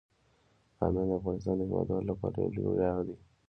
بامیان د افغانستان د هیوادوالو لپاره یو لوی ویاړ دی.